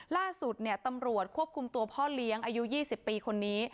ล่าสุดตำรวจควบคุมตัวพ่อเลี้ยงอายุ๒๐ปีคนนี้